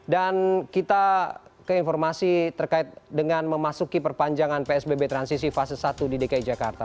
dan kita ke informasi terkait dengan memasuki perpanjangan psbb transisi fase satu di dki jakarta